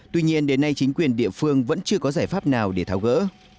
tuy nhiên đến nay chính quyền địa phương vẫn chưa có giải pháp nào để tháo gỡ